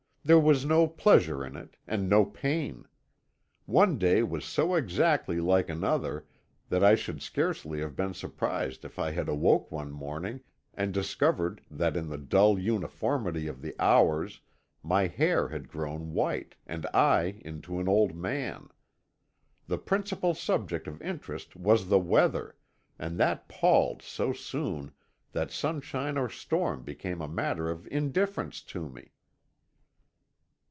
There was no pleasure in it, and no pain. One day was so exactly like another, that I should scarcely have been surprised if I had awoke one morning and discovered that in the dull uniformity of the hours my hair had grown white and I into an old man. The principal subject of interest was the weather, and that palled so soon that sunshine or storm became a matter of indifference to me."